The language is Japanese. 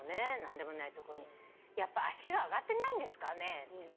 やっぱ足が上がってないんですかね。